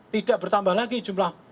tidak bertambah lagi jumlah